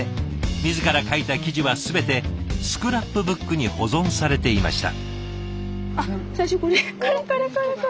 自ら書いた記事は全てスクラップブックに保存されていました。